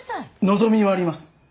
望みはあります。